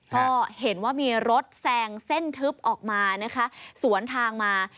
ก็เห็นว่ามีรถแซงเส้นทึบออกมานะคะสวนทางมา